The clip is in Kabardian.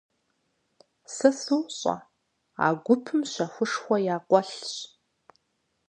Сэ сощӀэ, а гупым щэхушхуэ якъуэлъщ.